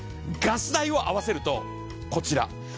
ガス代を合わせるとこちら。